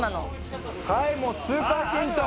はいもうスーパーヒント